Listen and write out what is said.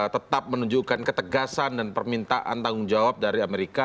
tetap menunjukkan ketegasan dan permintaan tanggung jawab dari amerika